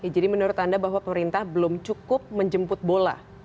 jadi menurut anda bahwa pemerintah belum cukup menjemput bola